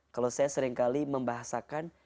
kalau saya seringkali membahasakan